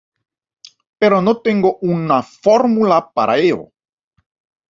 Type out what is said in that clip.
Pero no tengo una fórmula para ello.